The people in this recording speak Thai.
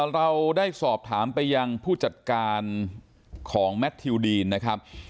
เราได้สอบถามไปยังผู้จัดการของแมททิวดีนนะครับ